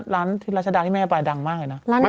หลานที่ราชดาที่แม่ไปดังมากเลยนะ